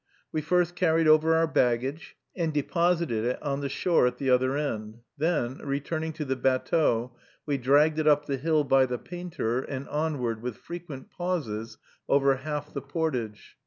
We first carried over our baggage, and deposited it on the shore at the other end; then, returning to the batteau, we dragged it up the hill by the painter, and onward, with frequent pauses, over half the portage.